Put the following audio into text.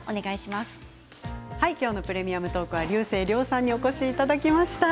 きょうの「プレミアムトーク」は竜星涼さんにお越しいただきました。